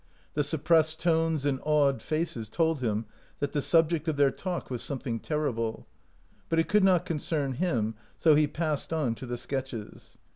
The suppressed tones and awed faces told him that the sub ject of their talk was sontething terrible ; but it could not concern him, so he passed on to the sketches.